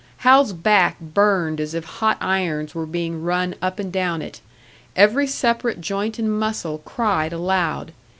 Hal's back burned as if hot irons were being run up and down it; every separate joint and muscle cried aloud.